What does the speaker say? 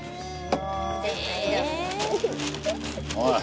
おい。